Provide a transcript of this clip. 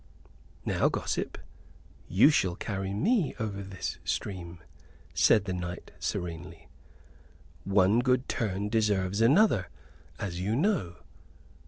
"Now, gossip, you shall carry me over this stream," said the knight, serenely; "one good turn deserves another, as you know."